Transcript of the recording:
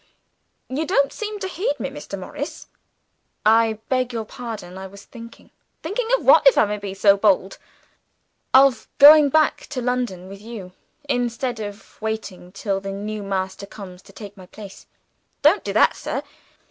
You don't seem to heed me, Mr. Morris." "I beg your pardon, I was thinking." "Thinking of what if I may make so bold?" "Of going back to London with you, instead of waiting till the new master comes to take my place." "Don't do that, sir!